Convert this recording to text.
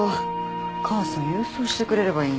母さん郵送してくれればいいのに。